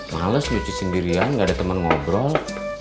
males nyuci sendirian gak ada temen ngobrol